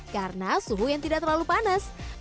karena suhu yang tidak terlalu panas